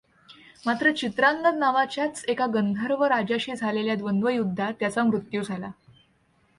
मात्र चित्रांगद नावाच्याच एका गंधर्व राजाशी झालेल्या द्वंद्वयुद्धात त्याचा मृत्यू झाला.